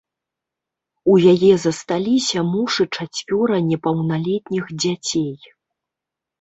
У яе засталіся муж і чацвёра непаўналетніх дзяцей.